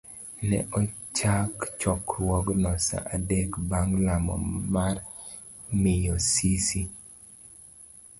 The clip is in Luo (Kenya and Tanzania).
Ne ochak chokruogno sa adek bang' lamo mar miyo Sisi.